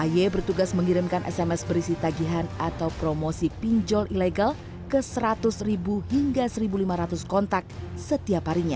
aye bertugas mengirimkan sms berisi tagihan atau promosi pinjol ilegal ke seratus ribu hingga satu lima ratus kontak setiap harinya